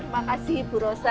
makasih bu rosa